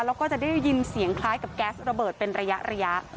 แล้วก็จะได้ยินเสียงคล้ายกับแก๊สระเบิดเป็นระยะ